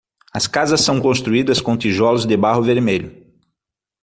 As casas são construídas com tijolos de barro vermelho.